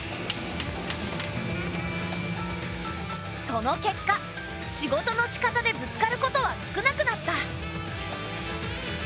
その結果仕事のしかたでぶつかることは少なくなった。